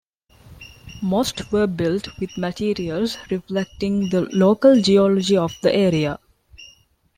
Most were built with materials reflecting the local geology of the area.